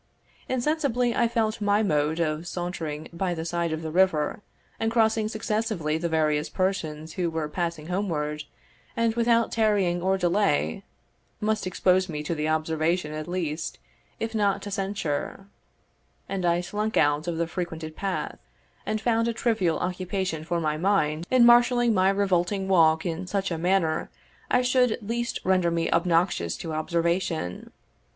Insensibly I felt my mode of sauntering by the side of the river, and crossing successively the various persons who were passing homeward, and without tarrying or delay, must expose me to observation at least, if not to censure; and I slunk out of the frequented path, and found a trivial occupation for my mind in marshalling my revolving walk in such a manner as should least render me obnoxious to observation.